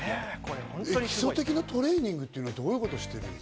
基礎的なトレーニングはどういうことをしてるの？